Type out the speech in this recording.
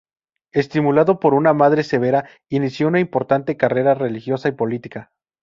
Estimulado por una madre severa, inició una importante carrera, religiosa y política.